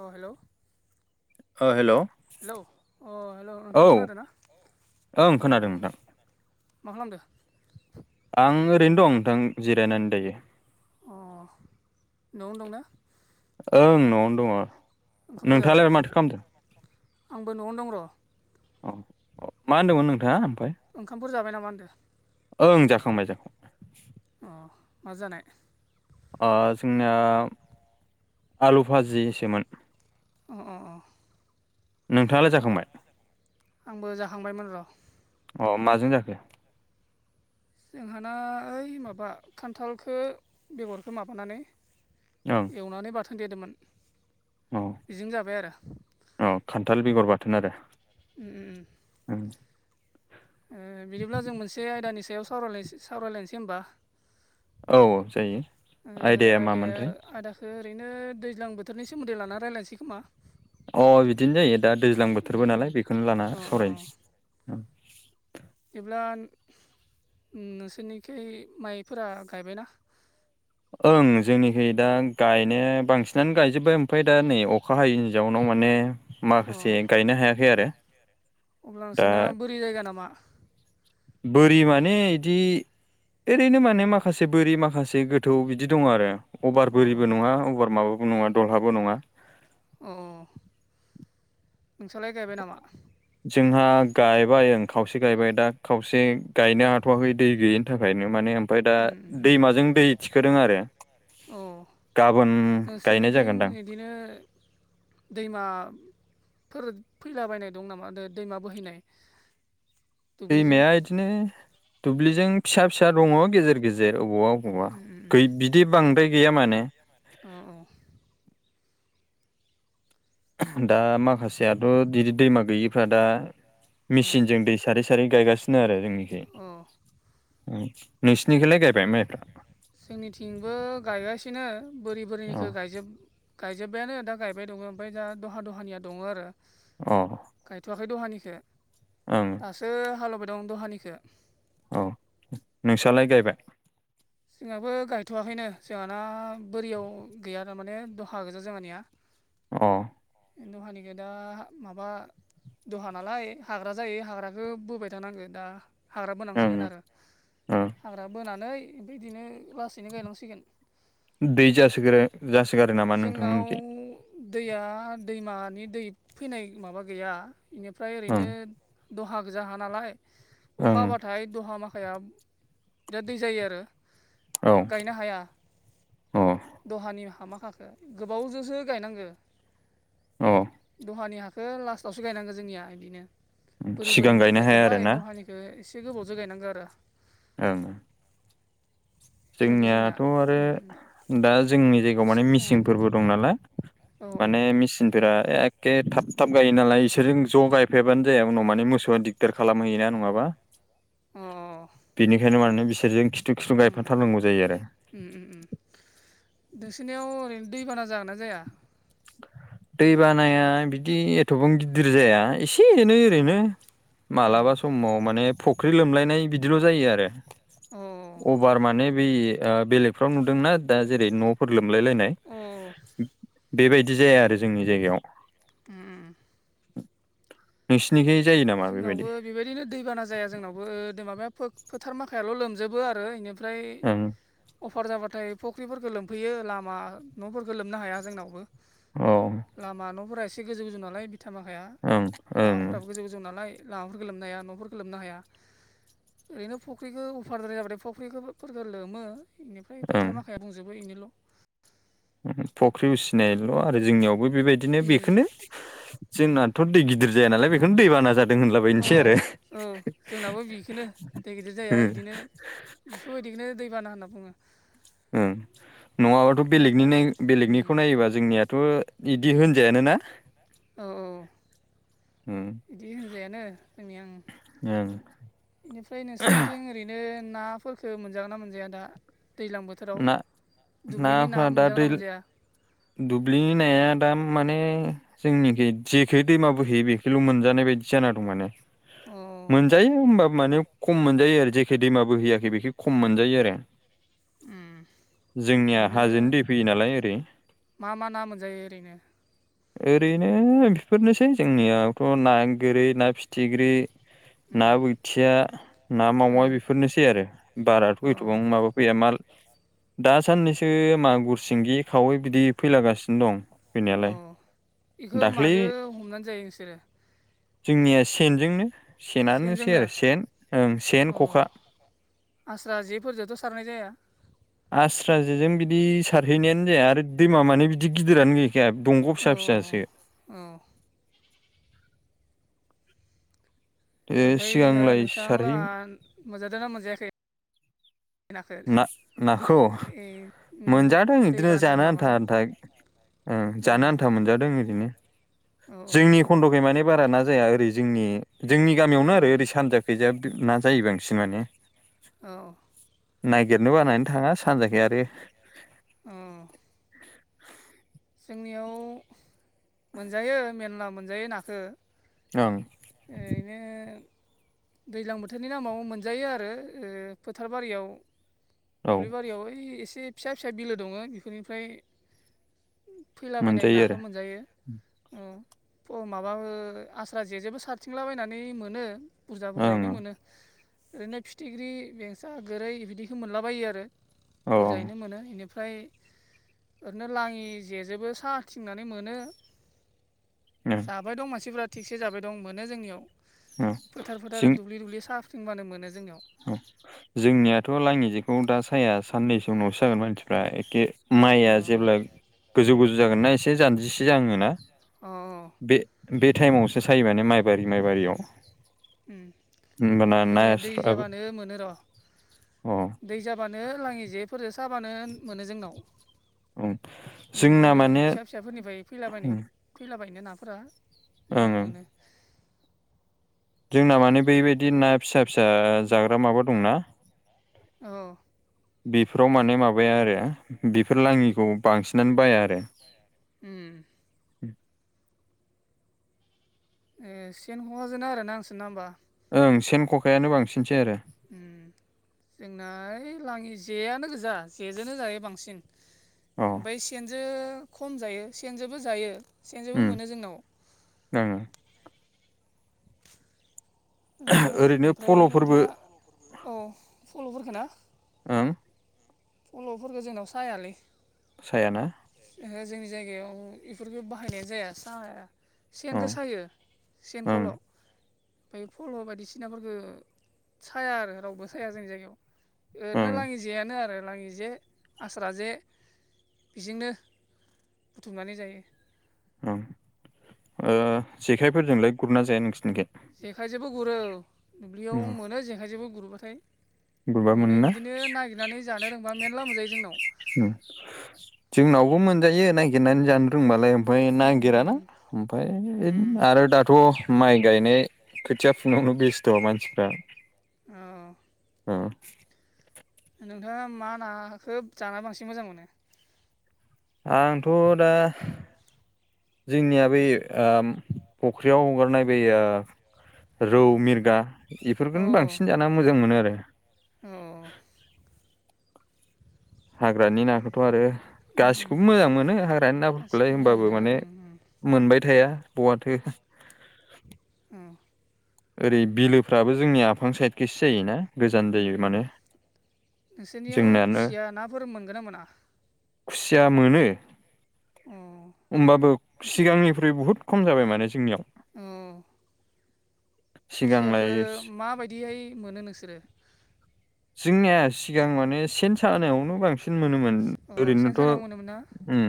अ hello ओ hello hello अ hello नोंथां खोनादोंना ओं अ खोनादों नोंथां मा खालामदो? आं ओरैनो दं नोंथां जिरायनानै दायो अ न'आवनो दंना? ओं न'आवनो दङ ओंखामफोर जाबाय नोंथाङालाय माथो खालामदों? आंबो न'आवनो दं र' अ मा होनदोंमोन नोंथाङा ओमफ्राय ओंखामफोर जाबाय नामा होनदों? ओं जाखांबाय जाखां अ माजो जानाय? आ जोंनिया आलु भाजिसोमोन। अ अ अ। नोंथाङालाय जाखांबाय? आंबो जाखांबायमोन र'। अ माजों जाखो? जोंहाना ओइ माबा खान्थालखो बेगरखो माबानानै ओं एवनानै बाथोन देदोंमोन औ बेजोंनो जाबाय आरो। औ खान्थाल बेगर बाथोन आरो। उ उ उ। ओ बिदिब्ला जों मोनसे आयदानि सायाव लायसि सावराय लायसै होमबा। औ ओ जायो आयदाया आदा ओरैनो दैज्लां बोथोरनि सोमोन्दै लाना रायलायसै खोमा। अ बिदिनो जायो दा दैज्लां उम बोथोरबो उम नालाय बेखौनो लाना अ अ सावरायसै। दिब्ला नोंसोरनिखै माइफोरा गायबायना? ओं जोंनिखै दा गायनाया बांसिनानो गायजोब्बाय ओमफाय दा नै अखा हायैनि जाउनाव माने अ माखासे गायनो हायाखै आरो। अब्ला दा नोंसोरना बोरि जायगा नामा? बोरि माने इदि ओरैनो माने माखासे बोरि माखासे गोथ थौ बिदि दङ आरो अभार अ बोरिबो नङा अभार माबाबो नङा दलहाबो नङा। अ नोंस्रालाय गायबाय नामा? जोंहा गायबाय ओं खावसे गायबाय दा खावसे गायनो हाथ'वाखै दै गैयिनि‌ थाखायनो माने ओमफ्राय दा उम दैमाजों दै थिखोदों आरो। उम गाबोन गायनाय जागोनदां। दिनो दैमाफोर फैलाबायनाय दं नामा द-दैमा बोहैनाय? [inaudible] दैमाया इदिनो दुब्लिजों फिसा फि सा दङ गेजेर गेजेर अबावबा अबावबा उम गै बिदि बांद्राय गैया माने। अ अ। दा माखासेयाथ' दिदि दैमा गैयिफ्रा दा अ उम मेसिनजों दै सारै सारै गायगासिनो आरो जोंनिखै। अ नोंसिनिखैलाय गायबाय माइफ्रा? जोंनिथिंबो गायगासिनो बोरि अ बोरिनिखौ गायजोब गायजोब्बायानो दा गायबाय दङ ओमफ्राय दा दहा दहानिया दङ आरो। अ गायथ'वाखै दहानिखो। ओं। दासो हालौबाय दं दहानिखो। अ नोंसालाय गायबाय? जोंहाबो गायथ'वाखैनो जोंहाना बोरियाव गैया थारमाने दहा गोजा जोंहानिया। [unintelligible] अ दहानिखो दा माबा दहा नालाय हाग्रा जायो हाग्राखौ बोबाय थानांगो दा हाग्रा ओं बोनांसिगोन आरो ओं हाग्रा बोनानै बेदिनो लासैनो गायलांसिगोन। दै जासोग्रो जासोगारो नामा नोंथां जोंनाव मोननिखै? दैया दैमानि दै फैनाय माबा गैया इनिफ्राय ओं ओरैनो दहा गोजा हा नालाय अखा हाबाथाय दहा माखाया बिराद दै जायो आरो। ओं गायनो हाया। औ अ दहानि हा माखाखो गोबावजोंसो गायनांगो अ दहानि हाख खो लास्टआवसो गायनांगो जोंनिया इदिनो बोरि सिगां बोरिनिखो गायनो हाया गायजोब्बाय आरोना दहानि‌ बे एसे गोबावजो गायनांगौ आरो। ओङो बेफोरबायदि जोंना जोंनियाथ' आरो दा जोंनि जायगायाव माने एसे मिसिंफोरबो दं नालाय औ माने ए मिसिनफोरा एखे थाब थाब गायो नालाय, इसोरजों ज' गायफायाबानो जाया। उनाव माने मोसौआ दिग दार खालाम हैयोना नङाबा। औ बेनिखायनो माने बिसोरजों खिथ फा थार नांगौ जायो आरो। उम उम उम दोसिनियाव ओरैनो दैबाना जागोन ना जाया? [inaudible] दै बानाया बिदि एथबां गिदिर जाया एसे एनै ओरैनो अ मालाबा समाव माने फख्रि लोमलायनाय बिदिल जायो आरो। अ अबार माने बै आ बेलेगफ्राव नुदोंना दा जेरै न' फोर लोमलाय लायनाय अ बेबायदि जाया आरो जोंनि जायगायाव। उम नोंसिनिखै जायो नामा बे जोंनावबो बायदि? बेबायदिनो दैबाना जाया जोंनावबो दो माबाया फो-फोथार माखायाल लोमजोबो आरो। इनि फ्राय ओं अफार जाबाथाय फुख्रि फोरफोरखो लोमफैयो। लामा न'फोरखौ लोमनो हाया जोंनावबो। औ लामा न'फोरा एसे गोजौ गोजौ नालाय बिथा माखाया ओं लामा ओं गोजौ गोजौ नालाय लामाफोर लोमनो हाया। न'फोर लोमनो हाया। ओरैनो फुख्रिखौ अफारद्राय जाबथाय फुख्रिखोबो फोरखो लोमो इनिफ्राय ओं फोथार माखाया बुंजोबो एनिल' उम फुख्रि उसिनायल' आरो जोंनियावबो बेबायदिनो बेखोनो जोंनाथ' दै गिदिर जाया नालाय बेखोनो दैबाना जादों होनलाबायनोसै आरो अ' औ जोंनाबो बिखोनो दै गिदिर जाया इदिनो बेफोर बायदिखोनो दैबाना होनना बुंङो। ओं नङाबाथ' बेनिफ्राय बेलेगनिनो बेलेगनिखौ नायोबा जोंनियाथ' इदि होनजायानो ना। औ औ इदि होनजायानो जोंनि ओं ओं इनिफ्राय नोंसिनिथिं ओरै नो नाफोरखो मोनजागोन ना मोनजाया दा दैलां बोथ थोराव ना दुब्लिनि ना नाफ्रा दा मोनजागोन दै ना मोनजाया? दुब्लिनि नाया दा माने जोंनिखै जेखै दैमा बोहैयो बेखैल' मोनजानाय बायदि जाना दं माने‌। अ मोनजायो ओ होमबाबो माने खम मोनजायो आरो। जेखै दैमाबो होयाखै बेखै खम मोनजायो आरो। जोंनिया ओरैनो हाजोनि दै फैयो नालाय ओरै। मा मा ना मोनजायो ओरैनो? ओरैनो बेफोरनोसै जोंनियावथ' ना गोरै ना फिथिख्रि ना बोथिया ना अ मावा बेफोरनोसै आरो। बाराथ' अ होैथ'बां माबा फैया माल दा सानैसो मागुर सिंगि खावै बिदि फैलागासिनो दं। फैनायालाय अ' इखो दाख्लै माजो हमनानै जायो नोंसोरो? जोंनिया सेनजोंनो सेनानोसै सेनजोंनो आरो सेन ओं सेन, अ ख'खा आस्रा जेफोरजोंथ' सारनाय जाया। आस्रा जेजों बिदि सारहैनायानो जाया। आरो दैमा माने बिदि गिदिरानो गै खाया दंग' अ फिसा फिसासो औ ओ ओमफाय ना सिगांलाय नोंथां सारहै लाहा मोनजादों ना मोनजायाखै? नाखौ ना-नाखौ ए उम उम मोनजादों इदिनो दैबाना जानो आन्था माबानायाव आन्था। ओं अ जानो आन्था मोनजादों ओरैनो। औ औ जोंनि खन्द'खै माने बारा ना जाया ओरै जोंनि जोंनि गामियावनो आरो उम ओरै सानजा गैजा ना जायो बांसिन माने औ नागिरनो बानानै थाङा सानजाखै आरो अ जोंनियाव मोनजायो मेरला मोनजायो नाखौ ओं ओरैनो दैज्लां बोथोरनि नामाव मोनजायो आरो फोथार ओ बारियाव औ दुब्लि बारियाव एसे फिसा फिसा बिलो दङ बेफोरनिफ्राय फैलाबायनाय मोनजायो नाखौ आरो मोनजायो अ माबाबो आस्रा जेजोंबो स हारथिंलाबायनानै मोनो बुरजा ओं बुरजायैनो मोनो ओरैनो फिथिख्रि बेंसा गोरै बिदिखौ मोनलाबायो आरो औ ओं बुरजायैनो मोनो बेनिफ्राय ओरैनो लाङि जेजोंबो साहा थिंनानै मोनो [unintelligible] जाबाय दं मानसिफ्रा थिगसे जाबाय दं मोनो जोंनियाव औ फोथार फोथार जों दुब्लि दुब्लि साहा बानो मोनो जोंनियाव जोंनियाथ' लाङि जेखौ दा साया साननैसो नावसो जागोन मानसिफ्रा एखे अ माइआ जेब्ला गोजौ गोजौ जागोनना एसे जानजिसे जागोनना अ बे-बे टाइमावसो सायो माने माइबारि माइबारियाव अ होमबाना नास्राबो नो मोनो र अ दै जाबानो लाङि जेफोरजों साबानो मोनो जोंनाव ओं बे जोंना बिलो माने फिसा फिसाफोरनिफ्राय फैलाबायनो फैलाबायनो नाफोरा ओं बेयाव ओं मोनो जोंना माने बेबायदि ना फिसा फिसा जाग्रा माबा दंना औ बेफोराव माने माबाया आरो बेफोर लाङिखौ बांसिनानो बाया आरो उम ए सेन्ट हहाजोना आरो ना आंसो न हबा ओं सेन खखायानो बांसिनसै आरो जोंना ओइ लाङि जेयानो गोजा जेजोंननो जायो बांसिन अ ओमफाय सेनजों खम जायो सेनजोंबो जायो सेनजोंबो उम मोनो जोंनाव ओं ओरैनो ओमफ्राय दा औ फल'फोरखोना ओं फल'फोरखौ जोंनाव सायालै सायाना ओहो जोंनि जायगायाव इफोरखौ बाहायनायानो जाया साहाया सेन औ गोसायो ओं सेनखौल' बे फल' बायदिसिनाफोरखौ साया आरो रावबो साया जोंनि जायगायाव ओरैनो ओं लाङि जेआनो आरो लाङि जे आस्रा जे बेजोंनो बुथुमनानै जायो ओं जेखायफोरजोंलाय गुरना जाया नोंसोरनिखाय जेखाइजोंबो गुरो दुब्लियाव मोनो जेखायजोंबो गुरोबाथाय गुरबा मोनै मोनोना बिदिनो नागिरनानै जानो रोंबा मेनला मोनजायो जोंनाव जोंनावबो मोनजायो नागिरनानै जानो रोंबालाय ओमफ्राय उम नागिराना उम ओमफाय आरो दाथ' माइ गायनाय खोथिया फुनायावनो बेस्थ' मानसिफ्रा। औ। उम। नोंथाङा मा नाखोब जाना बांसिन मोजां मोनो? आंथ' दा जोंनिया बै उम फुख्रियाव हगारनाय बै ओ रौ मिरगा औ बेफोरखौनो बांसिन जाना मोजां मोनो आरो। अ उम हाग्रानि नाखौथ' आरो उम गासिखौबो मोजां मोनो हाग्रानि गासिखौबो नाफोरखौलाय मोजां होमबाबो मोनोना माने ओं मोनबाय थाया बहाथो उम। ओरै बिलोफ्राबो जोंनि आफां साइडखेस जायोना। गोजान उम जायो माने उम नोंसोरनियाव जोंनानो खुसिया नाफोर मोनगोना मोना? खुसिया मोनो। उम। होमबाबो सिगांनिख्रुइ बहुद खम जाबाय माने जोंनियाव। औ। खुसियाखो सिगांलाय माबायदिहाय मोनो नोंसोरो? जोंनिया सिगां माने सेन सानायावनो बांसिन मोनोमोन अ सेन ओरैनोथ' सानायाव मोनोमोन ना उम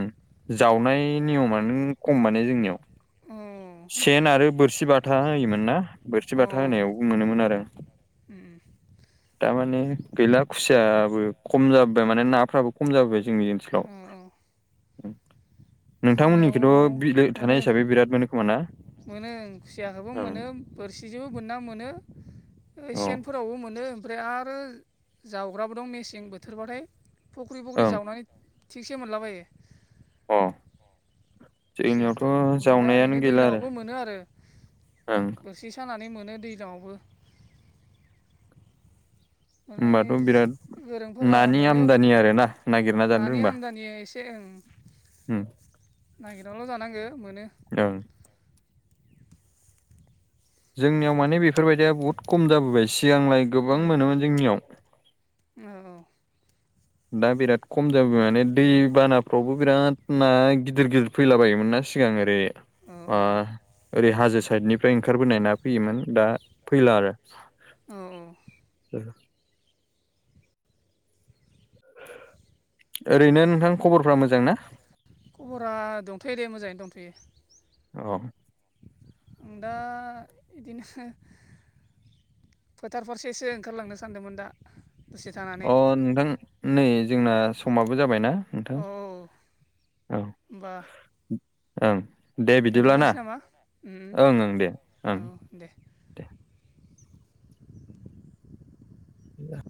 जावनाय नियमानो खम माने जोंनियाव। उम। सेन आरो बोरसि बाथा होयोमोन ना बोरसि अ बाथा होनायावबो मोनोमोन आरो। उम उम। थारमाने गैला खुसियाबो खम जाबोबाय माने नाफ्राबो खम जाबोबाय जोंनि सोलाव अ उम जोंनियाव नोंथांमोननिखौथ' बिलो थानाय मोनो हिसाबै बिराद मोनो खोमा ना? मोनो खुसियाखोबो ओं मोनो बोरसिजोंबो बोनना मोनो अ सेन फोरावबो मोनो ओमफ्राय आरो जावग्राबो दं मेसें बोथोर बाथाय। फख्रि फख्रि ओं जावनानै थिगसे मोनलाबायो। अह। खुसियाखो ओमफाय दा ओरैनो दैज्लांआवबो मोनो आरो ओं बो सि सानानै मोनो दैज्लांआवबो। माने होमबाथ' बिराद गोरोंफोरा नानि मोनो आमदानि आरो ना नागिरना जानो नानि रोंबा आमदानि एस से उम। उम। नागिरनानैल' जानांगो मोनो। ओं। जोंनियाव माने बेफोरबायदिया बहुद खम जाबोबाय सिगांलाय गोबां उम मोनोमोन जोंनियाव औ औ। दा बिराद खम जाबाय माने दैबानाफ्रावबो बिराद ना गिदिर गिदिर फैलाबायोमोन ना सिगां ओरै औ। बा ओरै हाजो साइडनिफ्राय ओंखारबोनाय ना फैयोमोन दा फैला आरो। औ ओ। ओरैनो नोंथां खबरफ्रा मोजां ना? खबरा दंथ'यो दे मोजाङैनो दंथ'यो। अह। आं दा इदिनो फोथार फारसेसो ओंखारलांनो सानदोंमोन दा। दसे थानानै अह नोंथां नै जोंना समाबो जाबायना नोंथां। औ औ होमबा ओं दे बिदिब्ला ना दोनथ'लायनोसै नामा उम ओं ओं दे औ ओं दे [unintelligible]